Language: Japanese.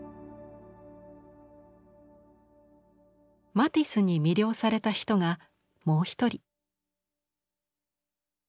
マティスに魅了された人がもう一人。